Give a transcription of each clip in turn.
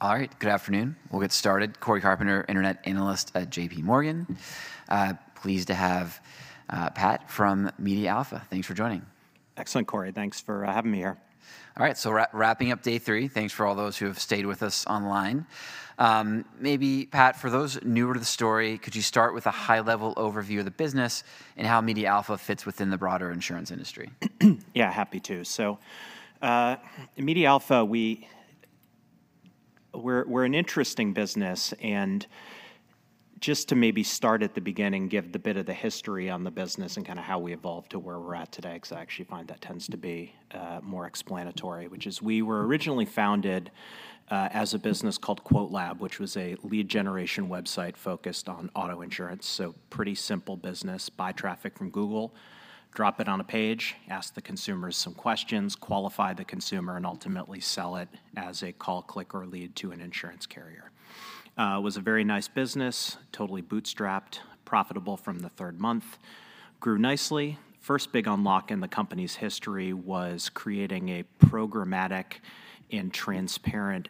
All right. Good afternoon. We'll get started. Cory Carpenter, internet analyst at J.P. Morgan. Pleased to have, Pat from MediaAlpha. Thanks for joining. Excellent, Cory. Thanks for having me here. All right, so wrapping up day three, thanks for all those who have stayed with us online. Maybe, Pat, for those newer to the story, could you start with a high-level overview of the business and how MediaAlpha fits within the broader insurance industry? Yeah, happy to. So, at MediaAlpha, we're an interesting business, and just to maybe start at the beginning, give the bit of the history on the business and kinda how we evolved to where we're at today, 'cause I actually find that tends to be more explanatory. Which is, we were originally founded as a business called QuoteLab, which was a lead generation website focused on auto insurance. So pretty simple business: buy traffic from Google, drop it on a page, ask the consumers some questions, qualify the consumer, and ultimately sell it as a call, click, or lead to an insurance carrier. It was a very nice business, totally bootstrapped, profitable from the third month, grew nicely. First big unlock in the company's history was creating a programmatic and transparent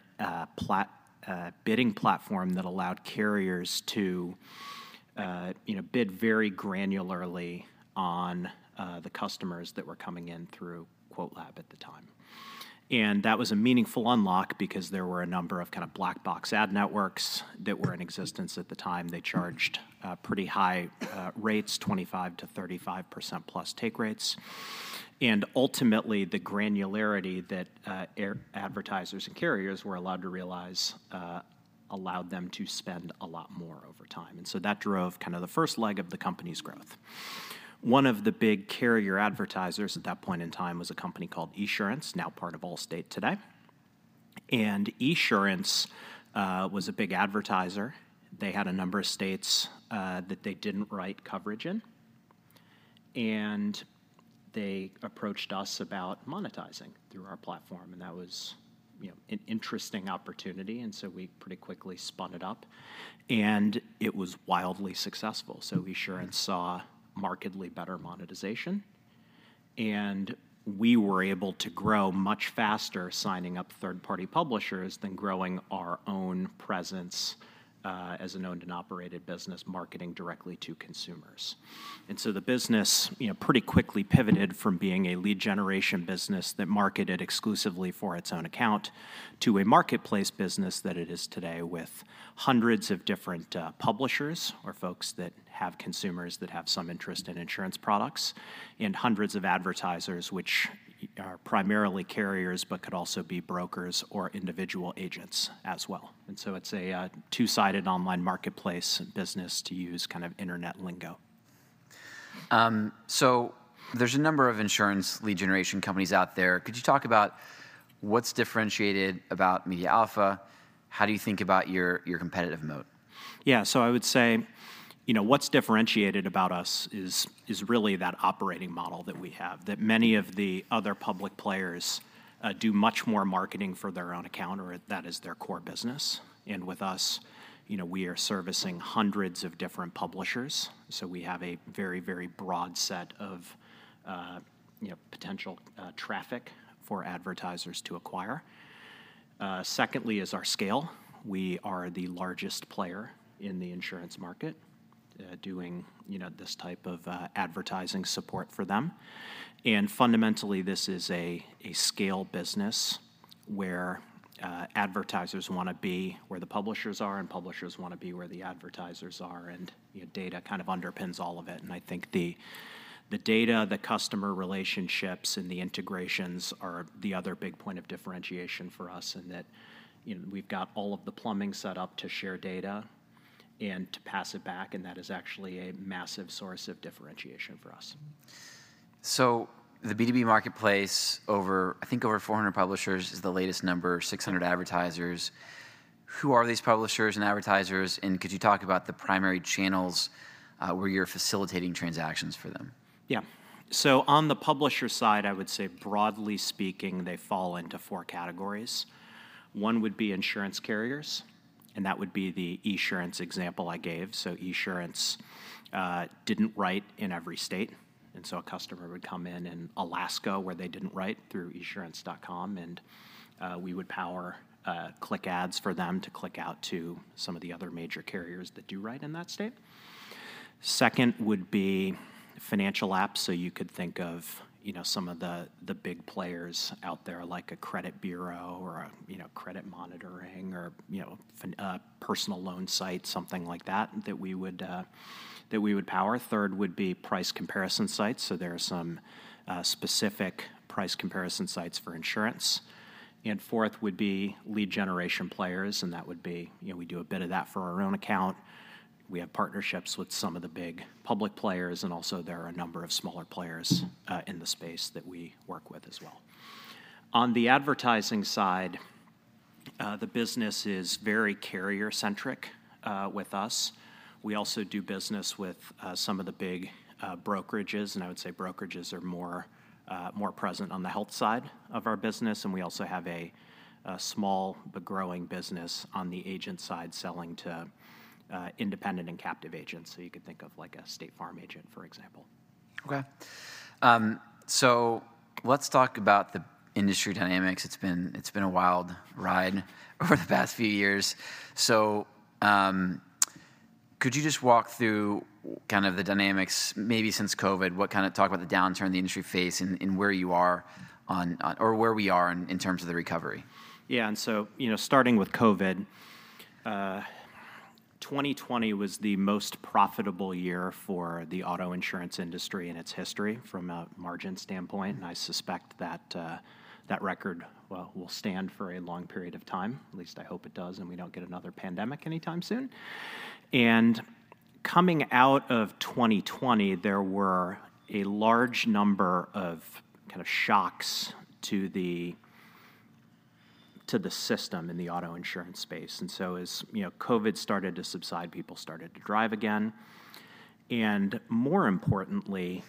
bidding platform that allowed carriers to you know bid very granularly on the customers that were coming in through QuoteLab at the time. And that was a meaningful unlock because there were a number of kind of black box ad networks that were in existence at the time. They charged pretty high rates, 25%-35%+ take rates. And ultimately, the granularity that advertisers and carriers were allowed to realize allowed them to spend a lot more over time, and so that drove kind of the first leg of the company's growth. One of the big carrier advertisers at that point in time was a company called Esurance, now part of Allstate today, and Esurance was a big advertiser. They had a number of states that they didn't write coverage in, and they approached us about monetizing through our platform, and that was, you know, an interesting opportunity, and so we pretty quickly spun it up, and it was wildly successful. So Esurance saw markedly better monetization, and we were able to grow much faster signing up third-party publishers than growing our own presence as an owned and operated business marketing directly to consumers. And so the business, you know, pretty quickly pivoted from being a lead generation business that marketed exclusively for its own account to a marketplace business that it is today, with hundreds of different publishers or folks that have consumers that have some interest in insurance products, and hundreds of advertisers, which are primarily carriers, but could also be brokers or individual agents as well. So it's a two-sided online marketplace business, to use kind of internet lingo. There's a number of insurance lead generation companies out there. Could you talk about what's differentiated about MediaAlpha? How do you think about your competitive moat? Yeah. So I would say, you know, what's differentiated about us is really that operating model that we have, that many of the other public players do much more marketing for their own account or that is their core business. And with us, you know, we are servicing hundreds of different publishers, so we have a very, very broad set of, you know, potential traffic for advertisers to acquire. Secondly is our scale. We are the largest player in the insurance market, doing, you know, this type of advertising support for them. And fundamentally, this is a scale business, where advertisers wanna be where the publishers are, and publishers wanna be where the advertisers are, and, you know, data kind of underpins all of it. I think the, the data, the customer relationships, and the integrations are the other big point of differentiation for us in that, you know, we've got all of the plumbing set up to share data and to pass it back, and that is actually a massive source of differentiation for us. So the B2B marketplace, I think over 400 publishers is the latest number, 600 advertisers. Who are these publishers and advertisers? And could you talk about the primary channels where you're facilitating transactions for them? Yeah. So on the publisher side, I would say, broadly speaking, they fall into four categories. One would be insurance carriers, and that would be the Esurance example I gave. So Esurance didn't write in every state, and so a customer would come in in Alaska, where they didn't write, through esurance.com, and we would power click ads for them to click out to some of the other major carriers that do write in that state. Second would be financial apps, so you could think of, you know, some of the, the big players out there, like a credit bureau or a, you know, credit monitoring or, you know, personal loan site, something like that, that we would, that we would power. Third would be price comparison sites, so there are some specific price comparison sites for insurance. And fourth would be lead generation players, and that would be... you know, we do a bit of that for our own account. We have partnerships with some of the big public players, and also there are a number of smaller players, in the space that we work with as well. On the advertising side, the business is very carrier-centric, with us. We also do business with some of the big brokerages, and I would say brokerages are more present on the health side of our business, and we also have a small but growing business on the agent side, selling to independent and captive agents, so you could think of, like, a State Farm agent, for example.... Okay. So let's talk about the industry dynamics. It's been a wild ride over the past few years. So, could you just walk through kind of the dynamics, maybe since COVID? Talk about the downturn the industry faced, and where you are on or where we are in terms of the recovery? Yeah, and so, you know, starting with COVID, 2020 was the most profitable year for the auto insurance industry in its history from a margin standpoint, and I suspect that that record, well, will stand for a long period of time. At least I hope it does, and we don't get another pandemic anytime soon. And coming out of 2020, there were a large number of kind of shocks to the system in the auto insurance space. And so, as you know, COVID started to subside, people started to drive again. And more importantly,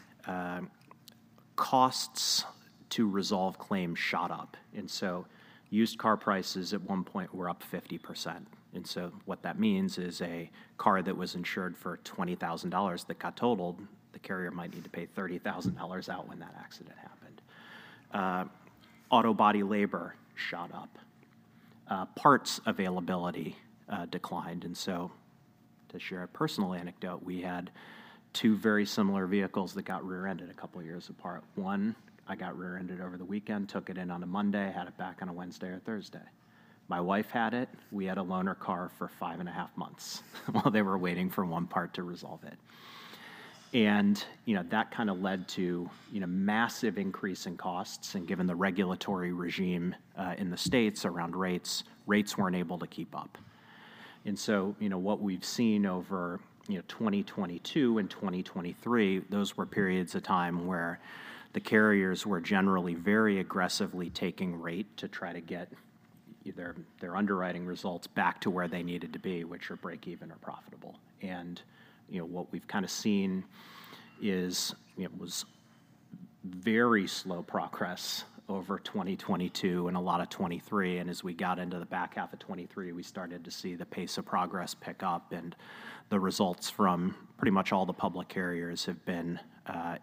costs to resolve claims shot up, and so used car prices at one point were up 50%. And so what that means is a car that was insured for $20,000 that got totaled, the carrier might need to pay $30,000 out when that accident happened. Auto body labor shot up. Parts availability declined. And so to share a personal anecdote, we had two very similar vehicles that got rear-ended a couple of years apart. One, I got rear-ended over the weekend, took it in on a Monday, had it back on a Wednesday or Thursday. My wife had it. We had a loaner car for five and a half months while they were waiting for one part to resolve it. And, you know, that kind of led to, you know, massive increase in costs, and given the regulatory regime in the States around rates, rates weren't able to keep up. You know, what we've seen over, you know, 2022 and 2023, those were periods of time where the carriers were generally very aggressively taking rate to try to get either their underwriting results back to where they needed to be, which are break even or profitable. You know, what we've kind of seen is, it was very slow progress over 2022 and a lot of 2023, and as we got into the back half of 2023, we started to see the pace of progress pick up, and the results from pretty much all the public carriers have been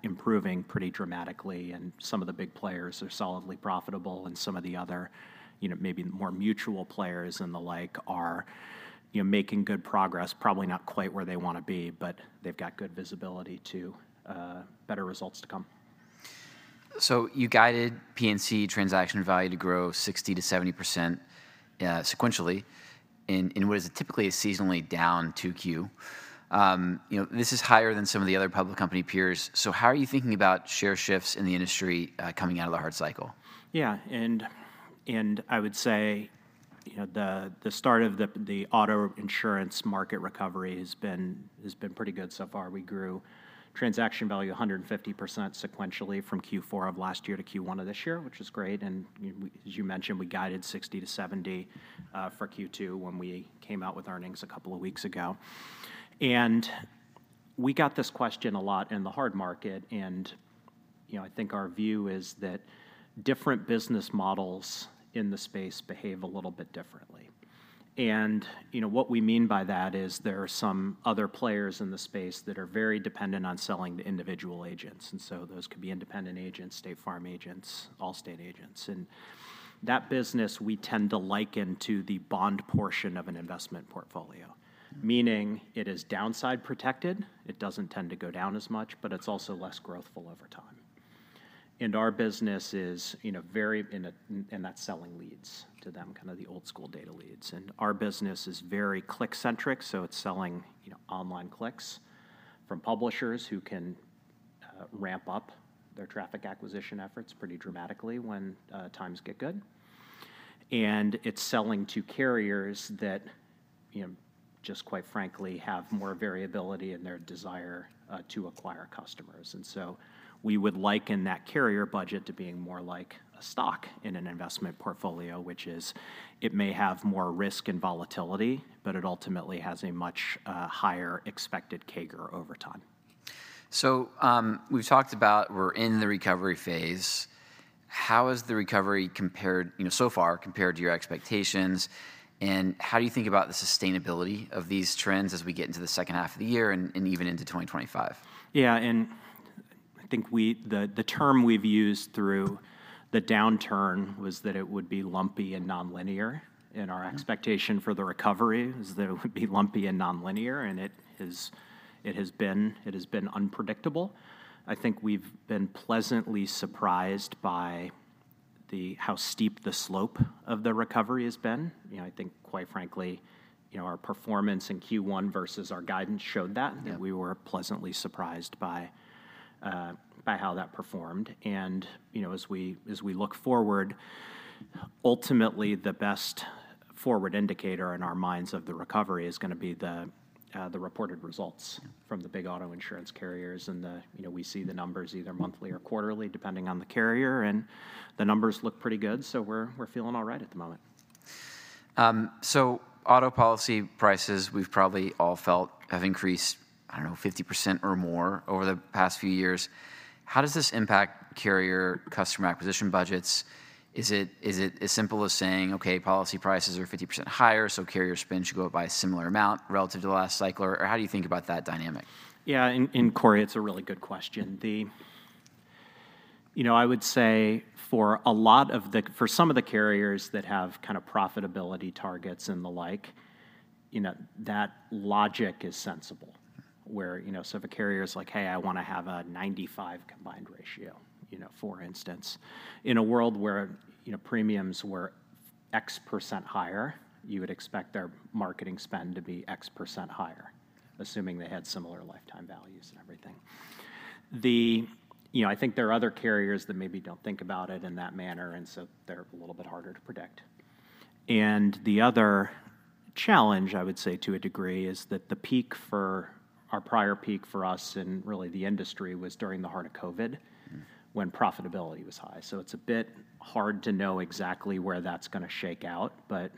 improving pretty dramatically. Some of the big players are solidly profitable, and some of the other, you know, maybe more mutual players and the like are, you know, making good progress, probably not quite where they want to be, but they've got good visibility to better results to come. So you guided P&C transaction value to grow 60%-70% sequentially in what is typically a seasonally down 2Q. You know, this is higher than some of the other public company peers. So how are you thinking about share shifts in the industry, coming out of the hard cycle? Yeah, and I would say, you know, the start of the auto insurance market recovery has been pretty good so far. We grew transaction value 150% sequentially from Q4 of last year to Q1 of this year, which is great, and as you mentioned, we guided 60%-70% for Q2 when we came out with earnings a couple of weeks ago. And we got this question a lot in the hard market and, you know, I think our view is that different business models in the space behave a little bit differently. And, you know, what we mean by that is there are some other players in the space that are very dependent on selling to individual agents, and so those could be independent agents, State Farm agents, Allstate agents. And that business, we tend to liken to the bond portion of an investment portfolio, meaning it is downside protected. It doesn't tend to go down as much, but it's also less growthful over time. And our business is, you know. And that's selling leads to them, kind of the old-school data leads, and our business is very click-centric, so it's selling, you know, online clicks from publishers who can ramp up their traffic acquisition efforts pretty dramatically when times get good. And it's selling to carriers that, you know, just quite frankly, have more variability in their desire to acquire customers. And so we would liken that carrier budget to being more like a stock in an investment portfolio, which is, it may have more risk and volatility, but it ultimately has a much higher expected CAGR over time. So, we've talked about we're in the recovery phase. How has the recovery compared, you know, so far compared to your expectations, and how do you think about the sustainability of these trends as we get into the second half of the year and even into 2025? Yeah, and I think the term we've used through the downturn was that it would be lumpy and nonlinear, and our-... expectation for the recovery is that it would be lumpy and nonlinear, and it has been unpredictable. I think we've been pleasantly surprised by how steep the slope of the recovery has been. You know, I think quite frankly, you know, our performance in Q1 versus our guidance showed that. Yeah. That we were pleasantly surprised by how that performed. And, you know, as we look forward, ultimately, the best forward indicator in our minds of the recovery is going to be the reported results from the big auto insurance carriers. And, you know, we see the numbers either monthly or quarterly, depending on the carrier, and the numbers look pretty good, so we're feeling all right at the moment. So, auto policy prices we've probably all felt have increased, I don't know, 50% or more over the past few years. How does this impact carrier customer acquisition budgets? Is it as simple as saying, "Okay, policy prices are 50% higher, so carrier spend should go up by a similar amount relative to the last cycle?" Or how do you think about that dynamic? Yeah, and Cory, it's a really good question. You know, I would say for a lot of the... For some of the carriers that have kind of profitability targets and the like, you know, that logic is sensible. Where, you know, so if a carrier's like: "Hey, I want to have a 95 combined ratio," you know, for instance. In a world where, you know, premiums were X% higher, you would expect their marketing spend to be X% higher, assuming they had similar lifetime values and everything. You know, I think there are other carriers that maybe don't think about it in that manner, and so they're a little bit harder to predict. And the other challenge, I would say, to a degree, is that the peak for-- our prior peak for us, and really the industry, was during the heart of COVID-... when profitability was high. So it's a bit hard to know exactly where that's gonna shake out. But,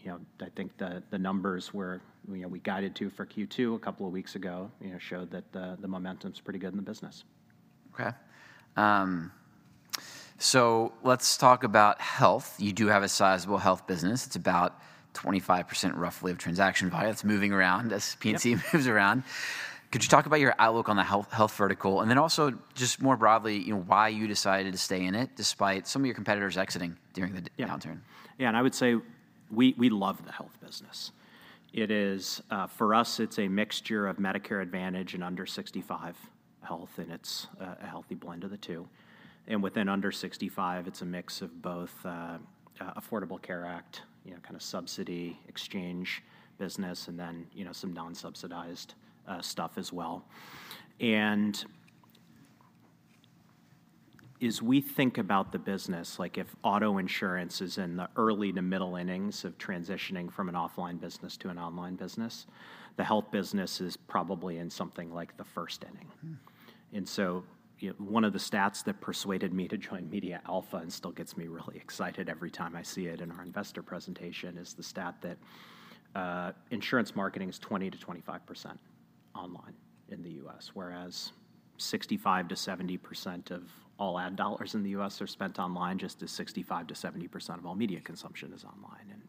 you know, I think the numbers were, you know, we guided to for Q2 a couple of weeks ago, you know, showed that the momentum's pretty good in the business. Okay, so let's talk about health. You do have a sizable health business. It's about 25%, roughly, of transaction volume. It's moving around as P&C moves around. Yep. Could you talk about your outlook on the health, health vertical, and then also just more broadly, you know, why you decided to stay in it, despite some of your competitors exiting during the downturn? Yeah, yeah, and I would say we love the health business. It is, for us, it's a mixture of Medicare Advantage and under 65 health, and it's a healthy blend of the two. And within under 65, it's a mix of both, Affordable Care Act, you know, kind of subsidy exchange business, and then, you know, some non-subsidized stuff as well. And as we think about the business, like if auto insurance is in the early to middle innings of transitioning from an offline business to an online business, the health business is probably in something like the first inning. And so, you know, one of the stats that persuaded me to join MediaAlpha and still gets me really excited every time I see it in our investor presentation, is the stat that insurance marketing is 20%-25% online in the US. Whereas 65%-70% of all ad dollars in the US are spent online, just as 65%-70% of all media consumption is online. And,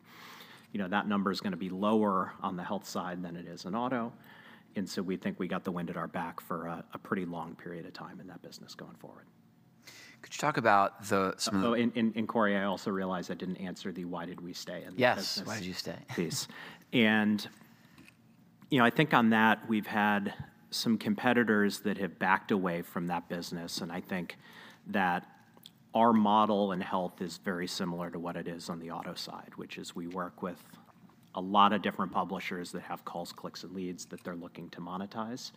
you know, that number is gonna be lower on the health side than it is in auto, and so we think we got the wind at our back for a pretty long period of time in that business going forward. Could you talk about the Oh, and Cory, I also realize I didn't answer the why did we stay in the business? Yes, why did you stay? Please. And, you know, I think on that, we've had some competitors that have backed away from that business. And I think that our model in health is very similar to what it is on the auto side, which is we work with a lot of different publishers that have calls, clicks, and leads that they're looking to monetize.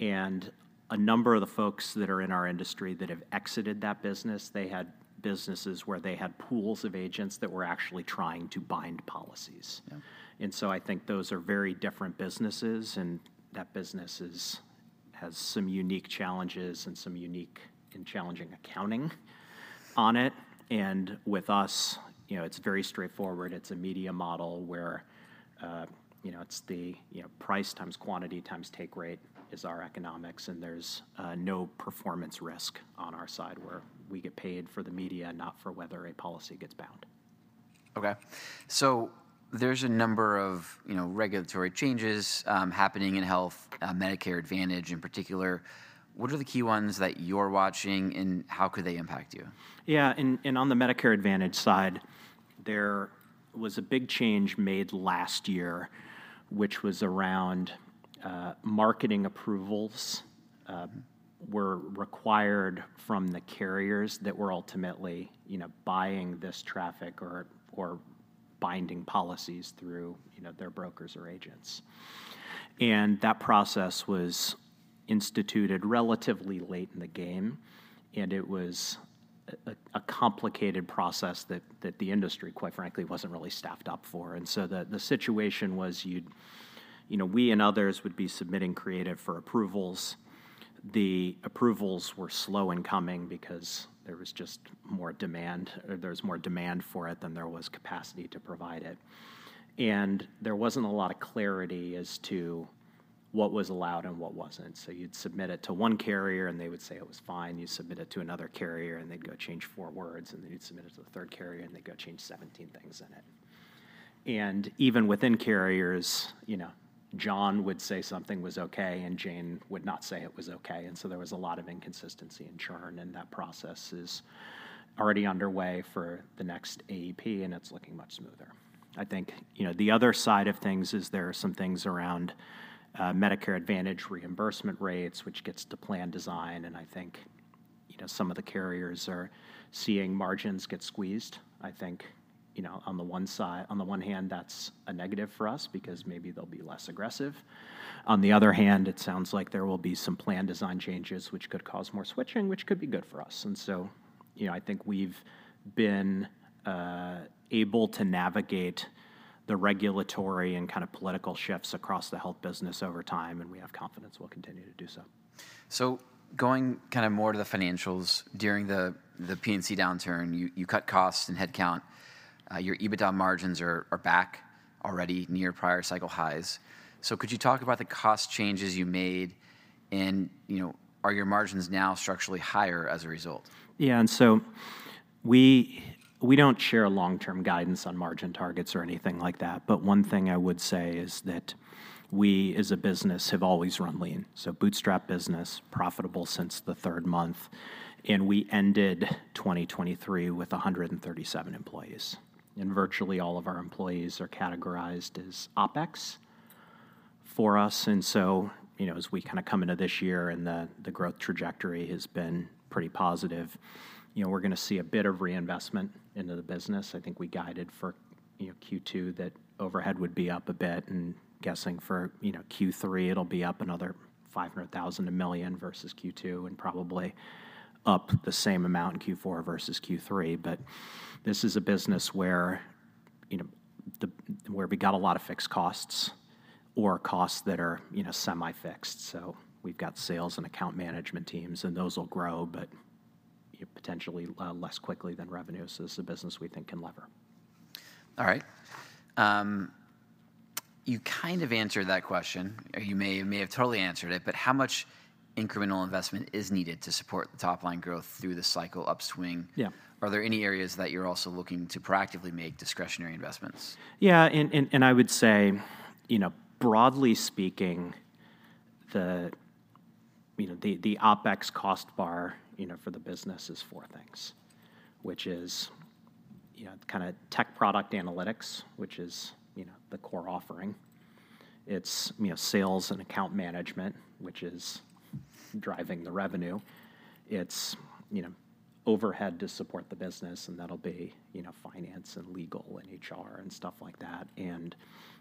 And a number of the folks that are in our industry that have exited that business, they had businesses where they had pools of agents that were actually trying to bind policies. Yeah. And so I think those are very different businesses, and that business is, has some unique challenges and some unique and challenging accounting on it. And with us, you know, it's very straightforward. It's a media model where, you know, it's the, you know, price times quantity times take rate is our economics, and there's, no performance risk on our side, where we get paid for the media, not for whether a policy gets bound. Okay, so there's a number of, you know, regulatory changes happening in health, Medicare Advantage in particular. What are the key ones that you're watching, and how could they impact you? Yeah, and on the Medicare Advantage side, there was a big change made last year, which was around marketing approvals were required from the carriers that were ultimately, you know, buying this traffic or binding policies through, you know, their brokers or agents. And that process was instituted relatively late in the game, and it was a complicated process that the industry, quite frankly, wasn't really staffed up for. And so the situation was you'd you know, we and others would be submitting creative for approvals. The approvals were slow in coming because there was just more demand, or there was more demand for it than there was capacity to provide it. And there wasn't a lot of clarity as to what was allowed and what wasn't. So you'd submit it to one carrier, and they would say it was fine. You submit it to another carrier, and they'd go change four words, and then you'd submit it to the third carrier, and they'd go change 17 things in it. And even within carriers, you know, John would say something was okay, and Jane would not say it was okay, and so there was a lot of inconsistency and churn, and that process is already underway for the next AEP, and it's looking much smoother. I think, you know, the other side of things is there are some things around, Medicare Advantage reimbursement rates, which gets to plan design, and I think, you know, some of the carriers are seeing margins get squeezed. I think, you know, on the one side, on the one hand, that's a negative for us because maybe they'll be less aggressive. On the other hand, it sounds like there will be some plan design changes, which could cause more switching, which could be good for us. And so, you know, I think we've been able to navigate the regulatory and kind of political shifts across the health business over time, and we have confidence we'll continue to do so. So going kind of more to the financials, during the P&C downturn, you cut costs and headcount. Your EBITDA margins are back already near prior cycle highs. So could you talk about the cost changes you made, and, you know, are your margins now structurally higher as a result? Yeah, and so we, we don't share long-term guidance on margin targets or anything like that, but one thing I would say is that we, as a business, have always run lean. So bootstrap business, profitable since the third month, and we ended 2023 with 137 employees, and virtually all of our employees are categorized as OpEx for us. And so, you know, as we kind of come into this year and the, the growth trajectory has been pretty positive, you know, we're gonna see a bit of reinvestment into the business. I think we guided for, you know, Q2, that overhead would be up a bit, and guessing for, you know, Q3, it'll be up another $500,000-$1 million versus Q2, and probably up the same amount in Q4 versus Q3. But this is a business where, you know, we got a lot of fixed costs or costs that are, you know, semi-fixed. So we've got sales and account management teams, and those will grow, but, you know, potentially less quickly than revenue. So this is a business we think can lever. All right. You kind of answered that question, or you may have totally answered it, but how much incremental investment is needed to support the top-line growth through the cycle upswing? Yeah. Are there any areas that you're also looking to proactively make discretionary investments? Yeah, I would say, you know, broadly speaking, you know, the OpEx cost bar, you know, for the business is four things, which is, you know, kind of tech product analytics, which is, you know, the core offering. It's, you know, sales and account management, which is driving the revenue. It's, you know, overhead to support the business, and that'll be, you know, finance and legal and HR and stuff like that. And,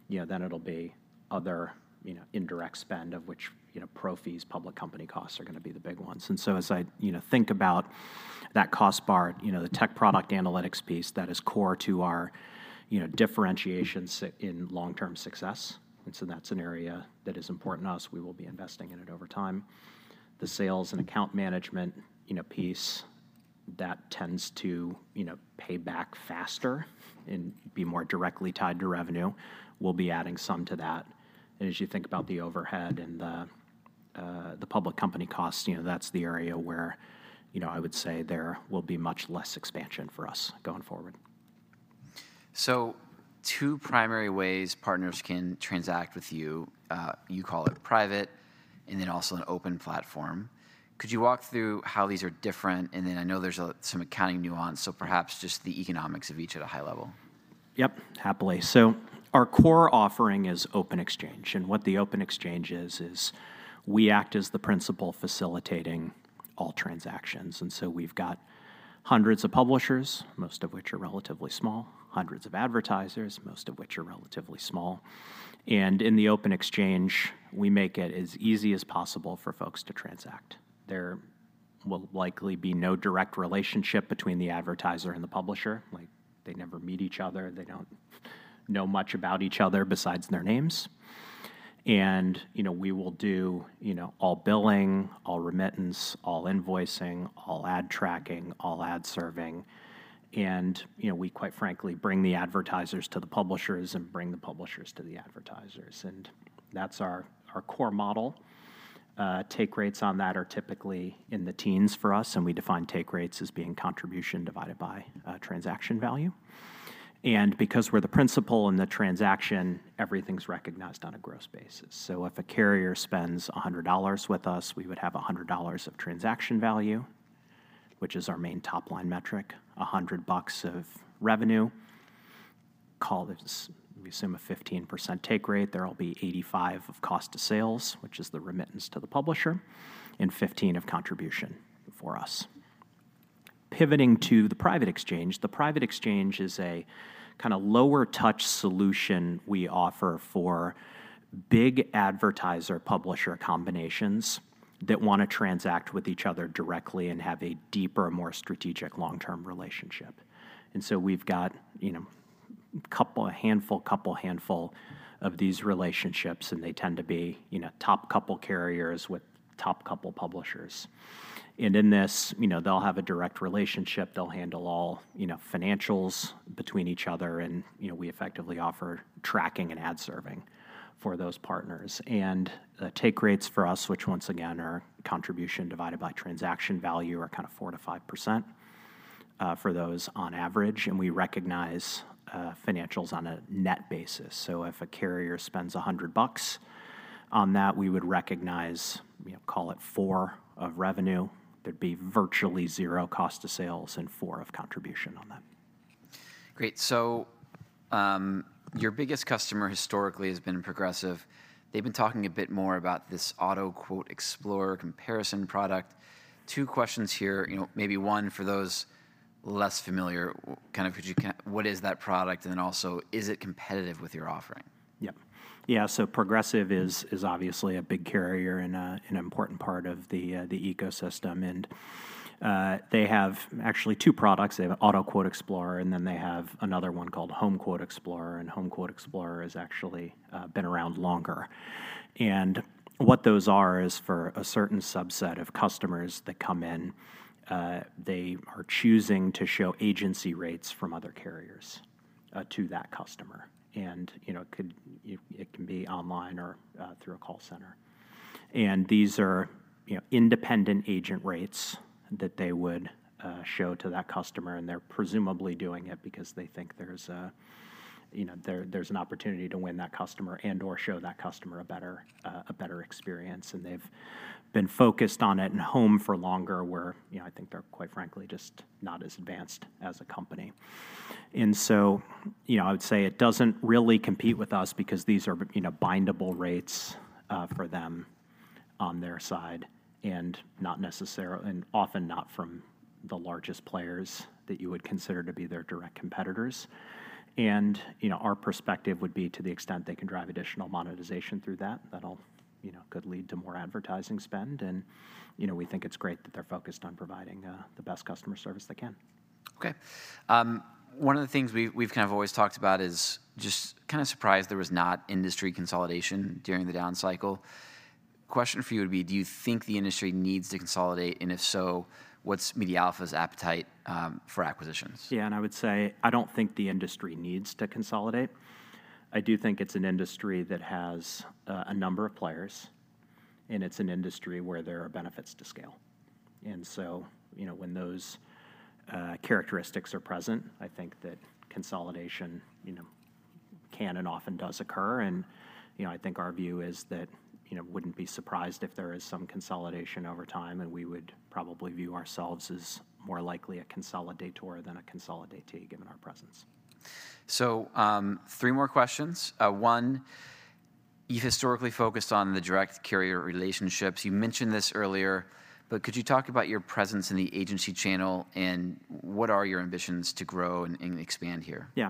you know, then it'll be other, you know, indirect spend, of which, you know, pro fees, public company costs are gonna be the big ones. And so, as I, you know, think about that cost bar, you know, the tech product analytics piece, that is core to our, you know, differentiation in long-term success, and so that's an area that is important to us. We will be investing in it over time. The sales and account management, you know, piece, that tends to, you know, pay back faster and be more directly tied to revenue. We'll be adding some to that. And as you think about the overhead and the, the public company costs, you know, that's the area where, you know, I would say there will be much less expansion for us going forward. So two primary ways partners can transact with you, you call it private and then also an open platform. Could you walk through how these are different? And then I know there's some accounting nuance, so perhaps just the economics of each at a high level. Yep, happily. So our core offering is Open Exchange, and what the Open Exchange is, is we act as the principal facilitating all transactions. And so we've got hundreds of publishers, most of which are relatively small, hundreds of advertisers, most of which are relatively small. And in the Open Exchange, we make it as easy as possible for folks to transact. There will likely be no direct relationship between the advertiser and the publisher, like, they never meet each other, they don't know much about each other besides their names. And, you know, we will do, you know, all billing, all remittance, all invoicing, all ad tracking, all ad serving, and, you know, we quite frankly bring the advertisers to the publishers and bring the publishers to the advertisers, and that's our, our core model. Take rates on that are typically in the teens for us, and we define take rates as being contribution divided by transaction value. And because we're the principal in the transaction, everything's recognized on a gross basis. So if a carrier spends $100 with us, we would have $100 of transaction value, which is our main top-line metric, $100 bucks of revenue. Call this... we assume a 15% take rate. There will be $85 of cost of sales, which is the remittance to the publisher, and $15 of contribution for us. Pivoting to the Private Exchange, the Private Exchange is a kind of lower touch solution we offer for big advertiser-publisher combinations that wanna transact with each other directly and have a deeper, more strategic long-term relationship. And so we've got, you know, couple, a handful, couple handful of these relationships, and they tend to be, you know, top couple carriers with top couple publishers. And in this, you know, they'll have a direct relationship. They'll handle all, you know, financials between each other, and, you know, we effectively offer tracking and ad serving for those partners. And take rates for us, which once again, are contribution divided by transaction value, are kind of 4%-5%, for those on average, and we recognize financials on a net basis. So if a carrier spends $100 on that, we would recognize, you know, call it $4 of revenue. There'd be virtually zero cost of sales and $4 of contribution on that. Great, so, your biggest customer historically has been Progressive. They've been talking a bit more about this AutoQuote Explorer comparison product. Two questions here, you know, maybe one for those less familiar, kind of could you what is that product? And then also, is it competitive with your offering? Yep. Yeah, so Progressive is obviously a big carrier and an important part of the ecosystem, and they have actually two products. They have AutoQuote Explorer, and then they have another one called HomeQuote Explorer, and HomeQuote Explorer has actually been around longer... and what those are is for a certain subset of customers that come in, they are choosing to show agency rates from other carriers to that customer. And, you know, it could, it can be online or through a call center. And these are, you know, independent agent rates that they would show to that customer, and they're presumably doing it because they think there's a, you know, there's an opportunity to win that customer and/or show that customer a better experience. And they've been focused on it and home for longer, where, you know, I think they're, quite frankly, just not as advanced as a company. And so, you know, I would say it doesn't really compete with us because these are bindable rates for them on their side, and not necessarily and often not from the largest players that you would consider to be their direct competitors. And, you know, our perspective would be to the extent they can drive additional monetization through that, that'll, you know, could lead to more advertising spend, and, you know, we think it's great that they're focused on providing the best customer service they can. Okay. One of the things we, we've kind of always talked about is just kind of surprised there was not industry consolidation during the down cycle. Question for you would be: Do you think the industry needs to consolidate, and if so, what's MediaAlpha's appetite for acquisitions? Yeah, and I would say I don't think the industry needs to consolidate. I do think it's an industry that has a number of players, and it's an industry where there are benefits to scale. And so, you know, when those characteristics are present, I think that consolidation, you know, can and often does occur, and, you know, I think our view is that, you know, wouldn't be surprised if there is some consolidation over time, and we would probably view ourselves as more likely a consolidator than a consolidatee, given our presence. So, three more questions. One, you've historically focused on the direct carrier relationships. You mentioned this earlier, but could you talk about your presence in the agency channel, and what are your ambitions to grow and expand here? Yeah.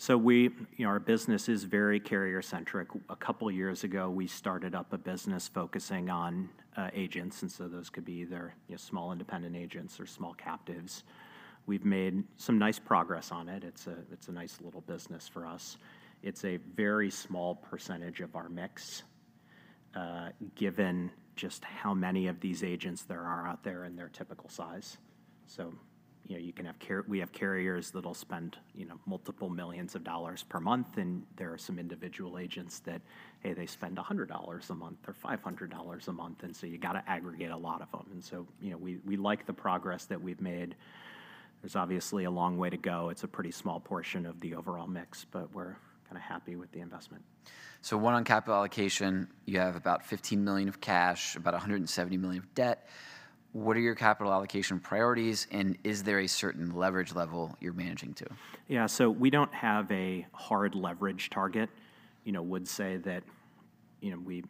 So we, you know, our business is very carrier-centric. A couple of years ago, we started up a business focusing on agents, and so those could be either, you know, small independent agents or small captives. We've made some nice progress on it. It's a nice little business for us. It's a very small percentage of our mix, given just how many of these agents there are out there and their typical size. So, you know, you can have car- we have carriers that'll spend, you know, multiple millions of dollars per month, and there are some individual agents that, hey, they spend $100 a month or $500 a month, and so you've got to aggregate a lot of them. And so, you know, we like the progress that we've made. There's obviously a long way to go. It's a pretty small portion of the overall mix, but we're kind of happy with the investment. So one on capital allocation, you have about $15 million of cash, about $170 million of debt. What are your capital allocation priorities, and is there a certain leverage level you're managing to? Yeah, so we don't have a hard leverage target. You know, would say that, you know, we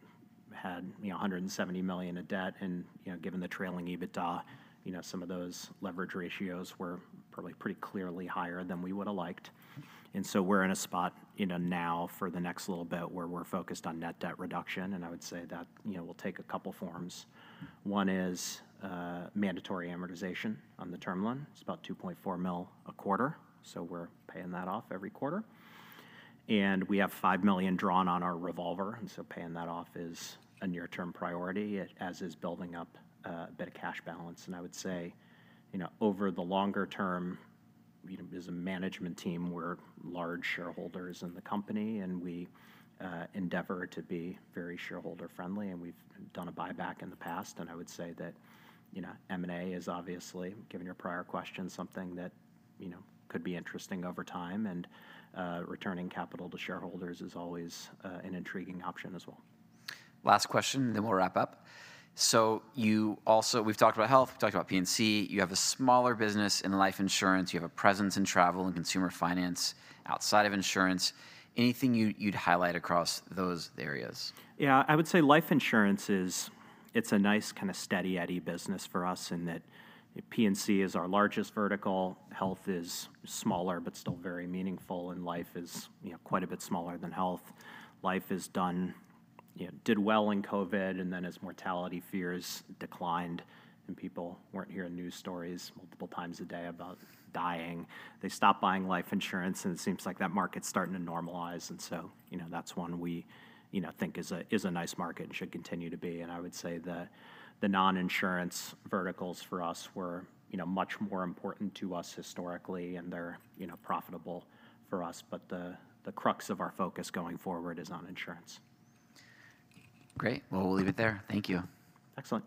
had, you know, $170 million of debt, and, you know, given the trailing EBITDA, you know, some of those leverage ratios were probably pretty clearly higher than we would've liked. And so we're in a spot, you know, now for the next little bit, where we're focused on net debt reduction, and I would say that, you know, will take a couple forms. One is mandatory amortization on the term loan. It's about $2.4 million a quarter, so we're paying that off every quarter. And we have $5 million drawn on our revolver, and so paying that off is a near-term priority, as is building up a bit of cash balance. And I would say, you know, over the longer term, you know, as a management team, we're large shareholders in the company, and we endeavor to be very shareholder-friendly, and we've done a buyback in the past. I would say that, you know, M&A is obviously, given your prior question, something that, you know, could be interesting over time, and returning capital to shareholders is always an intriguing option as well. Last question, then we'll wrap up. So you also, we've talked about health, we've talked about P&C. You have a smaller business in life insurance, you have a presence in travel and consumer finance, outside of insurance. Anything you, you'd highlight across those areas? Yeah. I would say life insurance is... it's a nice, kind of Steady eddy business for us in that P&C is our largest vertical, health is smaller, but still very meaningful, and life is, you know, quite a bit smaller than health. Life has done, you know, did well in COVID, and then as mortality fears declined and people weren't hearing news stories multiple times a day about dying, they stopped buying life insurance, and it seems like that market's starting to normalize. And so, you know, that's one we, you know, think is a, is a nice market and should continue to be. And I would say the, the non-insurance verticals for us were, you know, much more important to us historically, and they're, you know, profitable for us, but the, the crux of our focus going forward is on insurance. Great. Well, we'll leave it there. Thank you. Excellent.